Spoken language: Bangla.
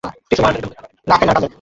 আমার হ্যামস্টারের সাথে আলাপ করবে?